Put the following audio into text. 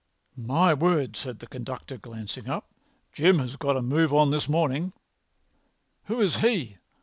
"My word!" said the conductor, glancing up. "Jim has got a move on this morning." "Who is he?"